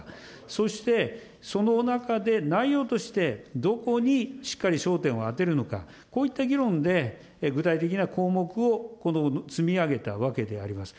そして、その中で内容として、どこにしっかり焦点を当てるのか、こういった議論で具体的な項目を積み上げたわけであります。